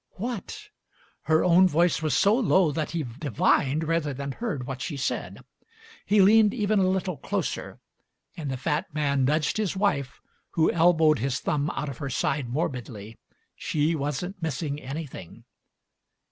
"What?" Her own voice was so low that he divined rather than heard what she said. He leaned even a little closer — and the fat man nudged his wife, who elbowed his thumb out of her side morbidly: she wasn't missing anything.